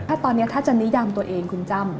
ถ้าตอนนี้ถ้าจะนิยามตัวเองคุณจ้ำ